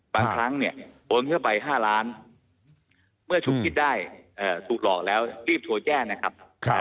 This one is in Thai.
ครั้งเนี่ยโอนเข้าไป๕ล้านเมื่อชุบคิดได้ถูกหลอกแล้วรีบโทรแจ้งนะครับ